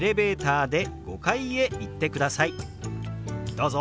どうぞ！